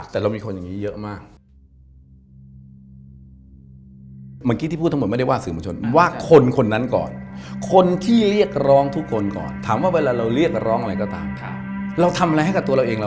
แต่เรามีคนอย่างนี้เยอะมาก